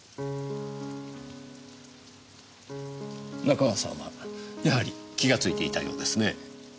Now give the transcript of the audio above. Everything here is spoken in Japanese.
中川さんはやはり気がついていたようですねぇ。